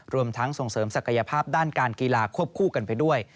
รวมทั้งส่งเสริมศักยภาพด้านการกีฬาควบคู่กันไปด้วย